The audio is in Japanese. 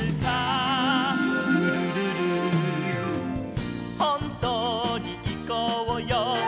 「ルルルル」「ほんとにいこうよ」